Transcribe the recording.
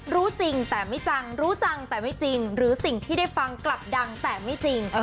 รู้จริงแต่ไม่จังรู้จังแต่ไม่จริงหรือสิ่งที่ได้ฟังกลับดังแต่ไม่จริง